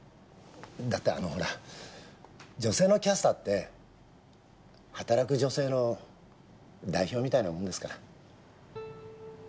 だってあのほら女性のキャスターって働く女性の代表みたいなものですから。